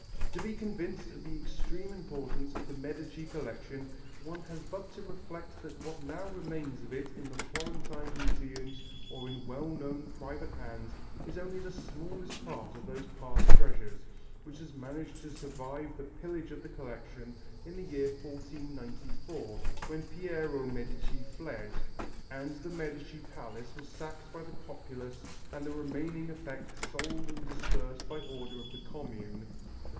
To be convinced of the extreme importance of the Medici collection one has but to reflect that what now remains of it in the Florentine museums or in well known private hands is only the smallest part of those past treasures, which has managed to survive the pillage of the collection in the year 1494, when Piero Medici fled and the Medici palace was sacked by the populace and the remaining effects sold and dispersed by order of the Commune.